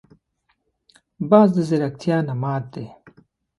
باز د ځیرکتیا نماد دی